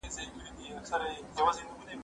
زه موسيقي اورېدلې ده؟!